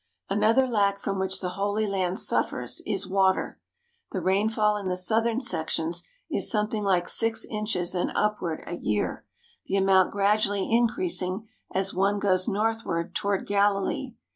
Another lack from which the Holy Land suffers is water. The rainfall in the southern sections is something like six inches and upward a year, the amount gradually increas ing as one goes northward toward Galilee.